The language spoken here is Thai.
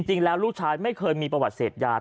จริงแล้วลูกชายไม่เคยมีประวัติเสพยา